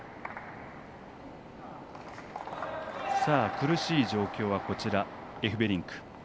苦しい状況はエフベリンク。